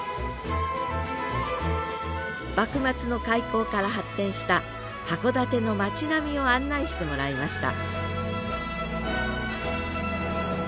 幕末の開港から発展した函館の町並みを案内してもらいました